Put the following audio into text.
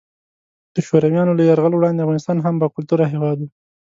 د شورویانو له یرغل وړاندې افغانستان هم باکلتوره هیواد وو.